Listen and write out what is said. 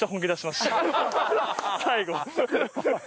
最後。